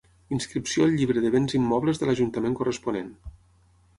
Inscripció al Llibre de béns immobles de l'ajuntament corresponent.